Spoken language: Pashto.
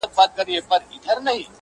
موږ څلور واړه د ژړا تر سـترگو بـد ايـسو.